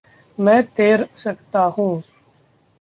मैं तैर सकता हूँ।